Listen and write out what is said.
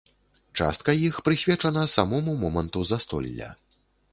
Частка іх прысвечана самому моманту застолля.